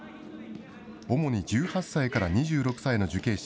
主に１８歳から２６歳の受刑者